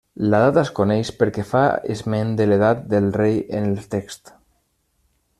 La data es coneix perquè fa esment de l'edat del rei en el text.